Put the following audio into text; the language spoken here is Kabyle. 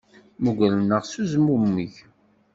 Mmugren-aɣ s uzmumeg.